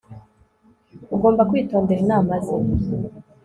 ugomba kwitondera inama ze